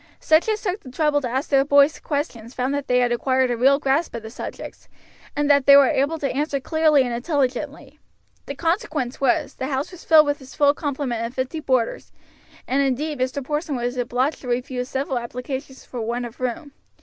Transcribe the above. Such as took the trouble to ask their boys questions found that they had acquired a real grasp of the subjects, and that they were able to answer clearly and intelligently. The consequence was, the house was filled with its full complement of fifty boarders, and indeed Mr. Porson was obliged to refuse several applications for want of room.